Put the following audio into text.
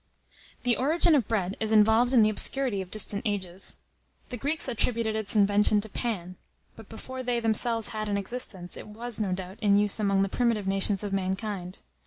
The origin of bread is involved in the obscurity of distant ages. The Greeks attributed its invention to Pan; but before they, themselves, had an existence, it was, no doubt, in use among the primitive nations of mankind.